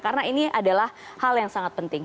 karena ini adalah hal yang sangat penting